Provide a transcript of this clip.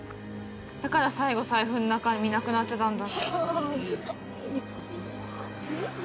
だから最後財布の中身なくなってたんだ。